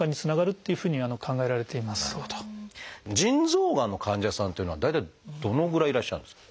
腎臓がんの患者さんっていうのは大体どのぐらいいらっしゃるんですか？